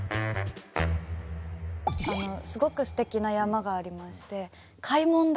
すごくすてきな山がありまして開聞岳。